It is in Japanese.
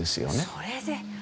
それで。